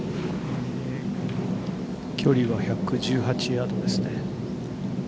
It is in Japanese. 距離は１１８ヤードですね。